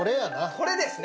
これですね。